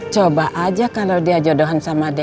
coba aja kalau dia jodohan sama dia